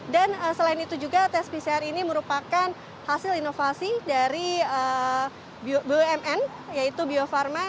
dan selain itu juga tes pcr ini merupakan hasil inovasi dari bumn yaitu bio farma